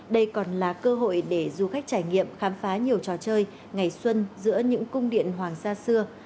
đây còn là cơ hội để du khách trải nghiệm khám phá nhiều trò chơi ngày xuân giữa những cung điện hoàng gia xưa